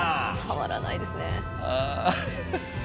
たまらないですね。